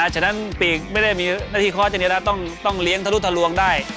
ฉะนั้นปีกไม่ได้มีหน้าที่คอร์สเจนเยอะนะต้องเลี้ยงทะลุทะลวงได้